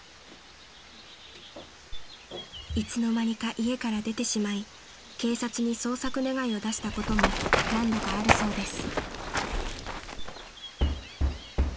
［いつの間にか家から出てしまい警察に捜索願を出したことも何度かあるそうです］